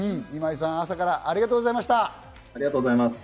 今井さん、朝からありがとうございました。